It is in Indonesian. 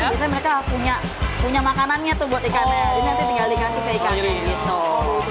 biasanya mereka punya makanannya tuh buat ikannya ini nanti tinggal dikasih ke ikannya gitu